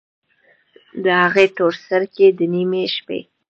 د هغې تورسرکي، د نیمې شپې